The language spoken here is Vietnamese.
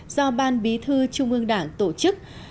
do ban bí thư trung ương đảng tổ chức